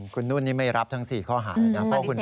คุณนุ่นนี่ไม่รับทั้ง๔ข้อหานะ